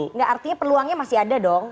enggak artinya peluangnya masih ada dong